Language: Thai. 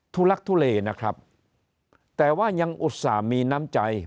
ทุลักษณ์ทุเลนะครับแต่ว่ายังอุตส่ามีน้ำใจ